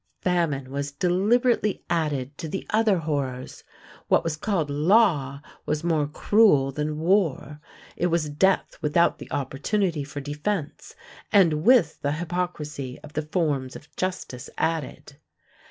Famine was deliberately added to the other horrors. What was called law was more cruel than war: it was death without the opportunity for defense and with the hypocrisy of the forms of justice added.